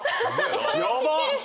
それは知ってる人？